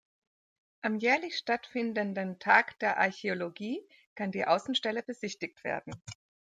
Am jährlich stattfindenden "Tag der Archäologie" kann die Außenstelle besichtigt werden.